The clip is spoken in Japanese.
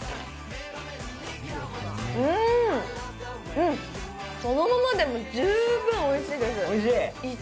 うーんっうんそのままでも十分おいしいですおいしい？